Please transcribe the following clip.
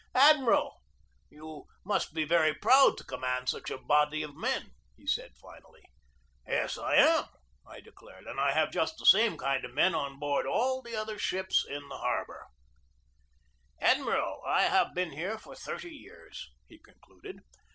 "Admiral, you must be very proud to command such a body of men," he said finally. "Yes, I am," I declared; "and I have just the THE BATTLE OF MANILA BAY 231 same kind of men on board all the other ships in the harbor/' "Admiral, I have been here for thirty years," he concluded.